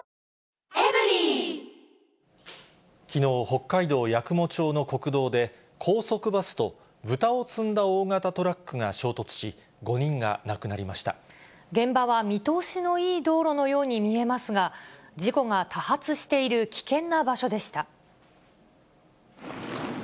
きのう、北海道八雲町の国道で、高速バスと豚を積んだ大型トラックが衝突し、５人が亡くなりまし現場は見通しのいい道路のように見えますが、事故が多発している危険な場所でした。